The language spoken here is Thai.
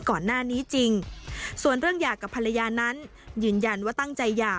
ก่อนหน้านี้จริงส่วนเรื่องหย่ากับภรรยานั้นยืนยันว่าตั้งใจหย่า